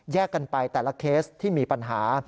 กันไปแต่ละเคสที่มีปัญหา